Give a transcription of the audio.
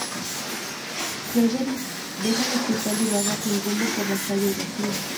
Frederick deja el hospital y vaga sin rumbo por las calles vacías.